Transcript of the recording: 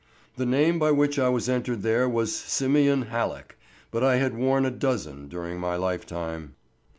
The name by which I was entered there was Simeon Halleck, but I had worn a dozen during my lifetime.